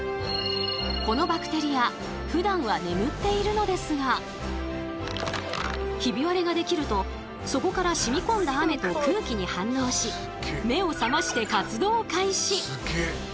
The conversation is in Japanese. このバクテリアヒビ割れができるとそこから染み込んだ雨と空気に反応し目を覚まして活動開始。